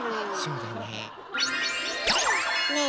そうだねえ。